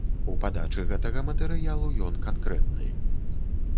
У падачы гэтага матэрыялу ён канкрэтны.